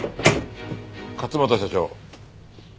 勝又社長。